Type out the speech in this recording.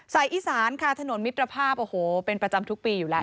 อีสานค่ะถนนมิตรภาพโอ้โหเป็นประจำทุกปีอยู่แล้ว